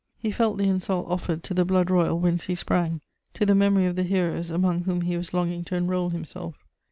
He felt the insult offered to the Blood Royal whence he sprang, to the memory of the heroes among whom he was longing to enroll himself.